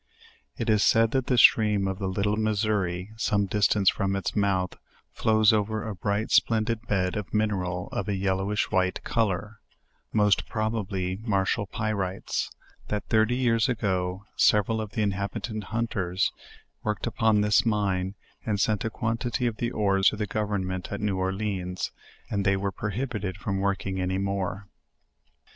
It is said that the stream of the Little Missouri, some distance from its mouth, flows over a bright splendid bed of mineral of a yellowish white color, (most probably martial pyrites;) that thirty years ago, several of the inhabitants, hunters, worked upon this mind, and sent a quantity of the ore to the government at New Orleans, and they were pro hibited from working any more.